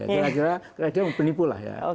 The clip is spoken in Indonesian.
kira kira dia penipu lah ya